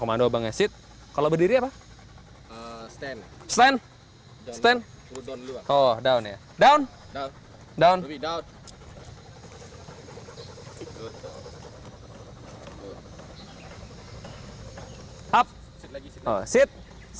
agar metuk kejadian outright ngelah ke pencarian mungkin bisa berguna di kecepatan kinerja